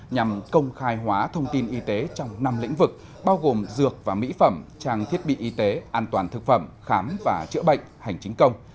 nhằm công khai hóa thông tin y tế trong năm lĩnh vực bao gồm dược và mỹ phẩm trang thiết bị y tế an toàn thực phẩm khám và chữa bệnh hành chính công